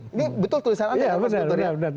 ini betul tulisan anda ya mas guntur ya